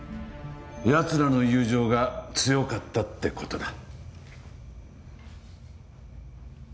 奴らの友情が強かったって事だ。